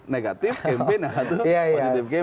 negatif kempen yang satu positif kempen